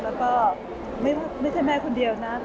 แล้วก็ไม่ใช่แม่คนเดียวนะ